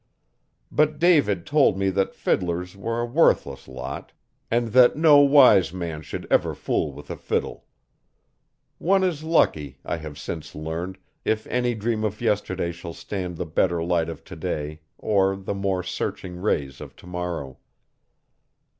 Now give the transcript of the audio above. But David told me that fiddlers were a worthless lot, and that no wise man should ever fool with a fiddle. One is lucky, I have since learned, if any dream of yesterday shall stand the better light of today or the more searching rays of tomorrow.